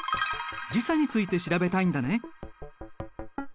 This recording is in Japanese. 時差について調べたいんだね。